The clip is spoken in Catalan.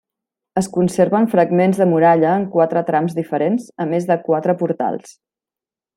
Es conserven fragments de muralla en quatre trams diferents, a més de quatre portals.